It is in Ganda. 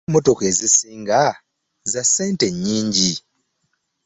Lwaki emmotoka ezisinga za ssente nnnnyingi?